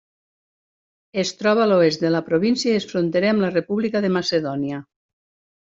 Es troba a l'oest de la província, i és fronterer amb la república de Macedònia.